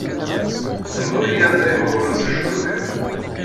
Mḍel-iyi anda i meḍlen lejdud-iw.